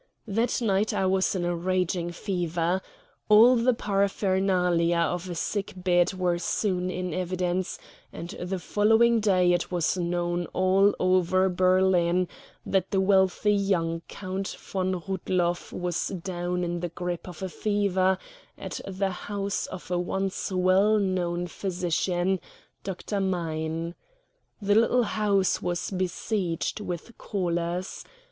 That night I was in a raging fever. All the paraphernalia of a sick bed were soon in evidence, and the following day it was known all over Berlin that the wealthy young Count von Rudloff was down in the grip of a fever at the house of a once well known physician, Dr. Mein. The little house was besieged with callers.